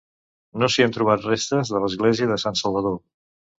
No s'hi han trobat restes de l'església de Sant Salvador.